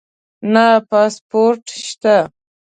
نه پاسپورټ شته